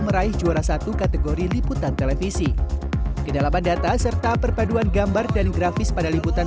meraih juara satu kategori liputan televisi kedalaman data serta perpaduan gambar dan grafis pada liputan